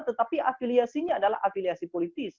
tetapi afiliasinya adalah afiliasi politis